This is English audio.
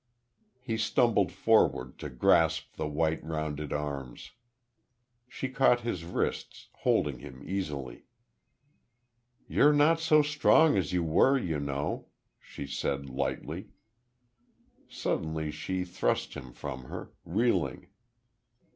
He stumbled forward, to grasp the white, rounded arms. She caught his wrists, holding him easily. "You're not so strong as you were, you know," she said, lightly. Suddenly she thrust him from her, reeling.